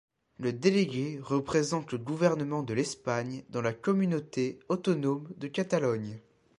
Le délégué représente le gouvernement de l'Espagne dans la communauté autonome de Catalogne.